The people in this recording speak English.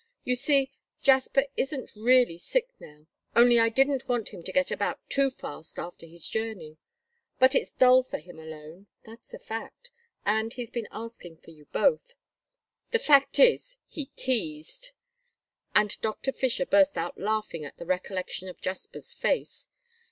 You see, Jasper isn't really sick now, only I didn't want him to get about too fast after his journey. But it's dull for him alone, that's a fact, and he's been asking for you both. The fact is, he teased," and Doctor Fisher burst out laughing at the recollection of Jasper's face.